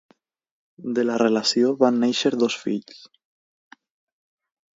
De la relació van néixer dos fills: